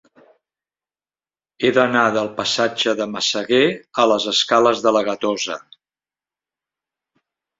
He d'anar del passatge de Massaguer a les escales de la Gatosa.